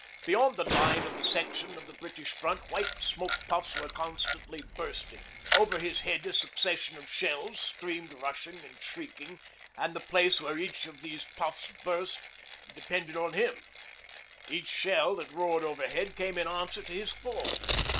Beyond the line of a section of the British front white smoke puffs were constantly bursting, over his head a succession of shells streamed rushing and shrieking; and the place where each of those puffs burst depended on him, each shell that roared overhead came in answer to his call.